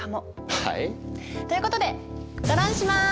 はい？ということでドロンします！